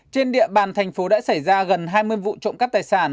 trên địa bàn thành phố đã xảy ra gần hai mươi vụ trộm cắp tài sản